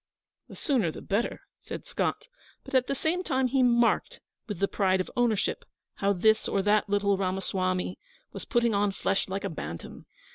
'The sooner the better,' said Scott; but at the same time he marked, with the pride of ownership, how this or that little Ramasawmy was putting on flesh like a bantam.